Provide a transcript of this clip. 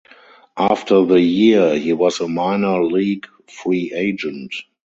After the year, he was a minor league free agent.